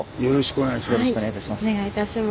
お願いいたします。